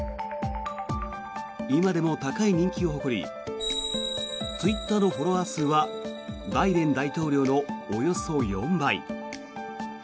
今でも高い人気を誇りツイッターのフォロワー数はバイデン大統領のおよそ４倍。